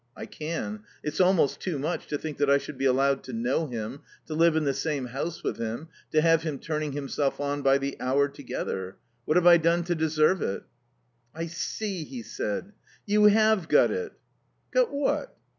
"I can. It's almost too much to think that I should be allowed to know him, to live in the same house with him, to have him turning himself on by the hour together. What have I done to deserve it?" "I see," he said, "you have got it." "Got what?"